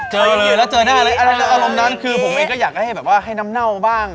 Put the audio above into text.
เจอเลยแล้วเจอได้อารมณ์นั้นคือผมอีกก็อยากให้แบบว่าให้น้ำเน่าบ้าง